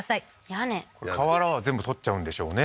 屋根瓦は全部取っちゃうんでしょうね